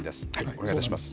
お願いいたします。